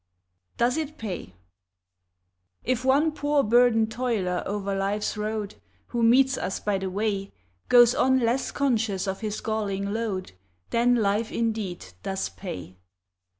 =Does It Pay= If one poor burdened toiler o'er life's road, Who meets us by the way, Goes on less conscious of his galling load, Then life indeed, does pay.